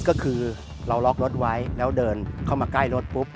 ก็คือเราล็อกรถไว้แล้วเดินเข้ามาใกล้รถปุ๊บ